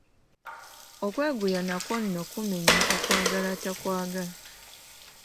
Okweguya nakwo nno kumenya okwagala atakwagala.